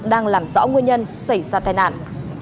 đang làm rõ nguyên nhân xảy ra tai nạn